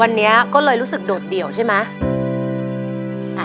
วันนี้ก็เลยรู้สึกโดดเดี่ยวใช่ไหม